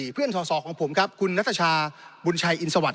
เพื่อนสอสอของผมคุณนัทชาบุญชัยอินทรวจ